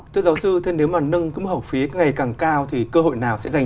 thưa giáo sư thế nếu mà nâng cúm hậu phí ngày càng cao thì cơ hội nào sẽ dành